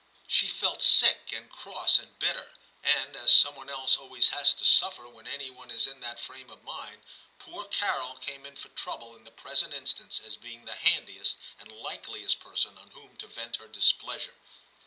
She felt sick and cross and bitter, and as some one else always has to suffer when any one is in that frame of mind, poor Carol came in for trouble in the present instance as being the handiest and likeliest person on whom to vent her displeasure.